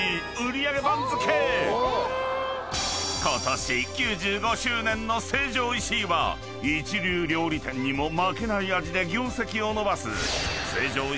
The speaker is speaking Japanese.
［ことし９５周年の成城石井は一流料理店にも負けない味で業績を伸ばす成城